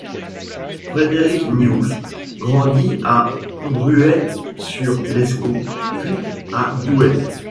Frédéric Nihous grandit à Bruay-sur-l’Escaut puis à Douai.